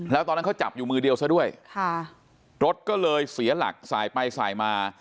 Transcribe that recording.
แล้วตอนนั้นเขาจับอยู่มือเดียวซะด้วยค่ะรถก็เลยเสียหลักสายไปสายมา